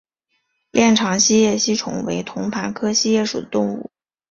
链肠锡叶吸虫为同盘科锡叶属的动物。